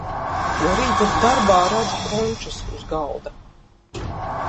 No rīta darbā redzu končas uz galda.